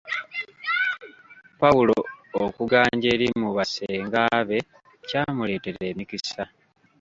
Pawulo okuganja eri mu ba ssenga be kyamuleetera emikisa.